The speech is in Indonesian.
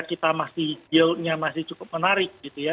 kita masih yieldnya masih cukup menarik gitu ya